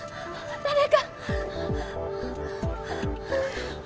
誰か！